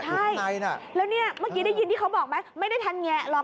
ใช่แล้วเนี่ยเมื่อกี้ได้ยินที่เขาบอกไหมไม่ได้ทันแงะหรอก